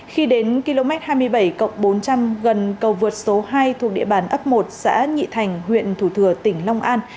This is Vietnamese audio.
khi đến km hai mươi bảy bốn trăm linh gần cầu vượt số hai thuộc địa bàn ấp một xã nhị thành huyện thủ thừa tỉnh long an